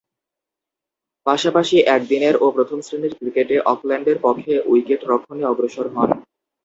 পাশাপাশি একদিনের ও প্রথম-শ্রেণীর ক্রিকেটে অকল্যান্ডের পক্ষে উইকেট-রক্ষণে অগ্রসর হন।